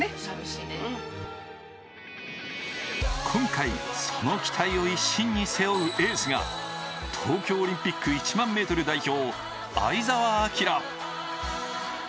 今回、その期待を一身に背負うエースが、東京オリンピック１００００ｍ代表・相澤晃。